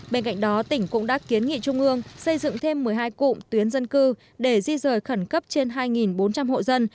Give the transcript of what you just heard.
bên cạnh đó tỉnh cũng đã kiến nghị trung ương xây dựng thêm một mươi hai cụm tuyến dân cư để di rời khẩn cấp trên hai bốn trăm linh hộ dân